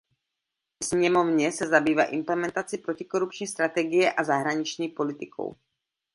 Ve sněmovně se zabývá implementací Protikorupční strategie a zahraniční politikou.